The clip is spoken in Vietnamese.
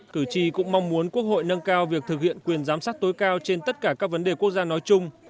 cử tri cũng mong muốn quốc hội nâng cao việc thực hiện quyền giám sát tối cao trên tất cả các vấn đề quốc gia nói chung